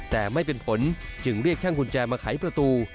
แต่ไม่เป็นผลจึงเรียกช่างกุญแจมาไขประตู